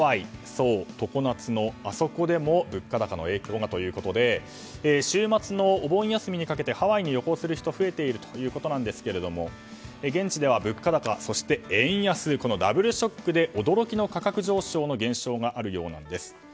そう、常夏のあそこでも物価高の影響がということで週末のお盆休みにかけてハワイに旅行する人が増えているということなんですが現地では物価高と円安のダブルショックで驚きの価格上昇の現象があるようです。